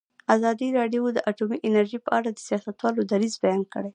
ازادي راډیو د اټومي انرژي په اړه د سیاستوالو دریځ بیان کړی.